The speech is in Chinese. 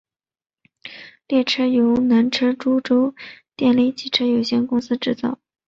列车由南车株洲电力机车有限公司制造。